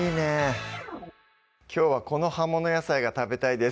きょうはこの葉物野菜が食べたいです